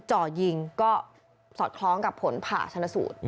ซึ่งก็ถูกสอดทร้องกับผลผ่าชนสอุทธิ์